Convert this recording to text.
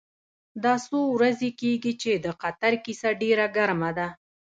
دا څو ورځې کېږي چې د قطر کیسه ډېره ګرمه ده.